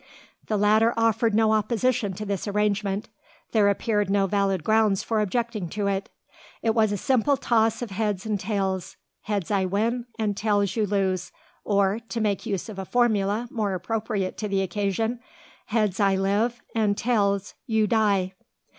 The latter offered no opposition to this arrangement. There appeared no valid grounds for objecting to it. It was a simple toss of heads and tails, "Heads I win, and tails you lose"; or, to make use of a formula more appropriate to the occasion, "Heads I live, and tails you die."